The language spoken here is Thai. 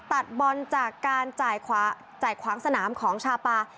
ตัดบอลจากการจ่ายขวางสนามของชาปา